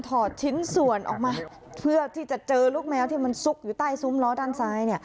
ชิ้นส่วนออกมาเพื่อที่จะเจอลูกแมวที่มันซุกอยู่ใต้ซุ้มล้อด้านซ้ายเนี่ย